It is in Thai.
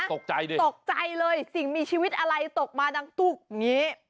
ตกใจดิตกใจเลยสิ่งมีชีวิตอะไรตกมาดังตุ๊กอย่างนี้